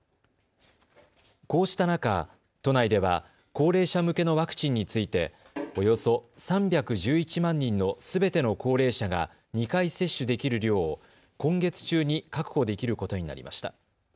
こうした中、都内では高齢者向けのワクチンについておよそ３１１万人のすべての高齢者が２回接種できる量を今月中に確保できることになりました。